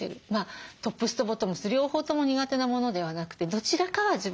トップスとボトムス両方とも苦手なものではなくてどちらかは自分の似合うものにする。